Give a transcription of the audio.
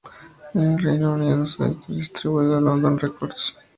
En el Reino Unido era distribuido por London Records.